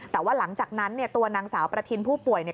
แต่ว่าหลังจากนั้นเนี่ยตัวนางสาวประทินผู้ป่วยเนี่ย